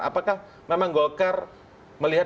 apakah memang golkar melihat